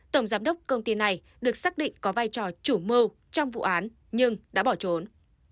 tổng giám đốc công ty này được xác định có vai trò chủ mưu trong vụ án nhưng đã bỏ trốn